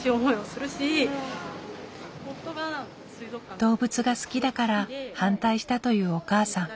動物が好きだから反対したというお母さん。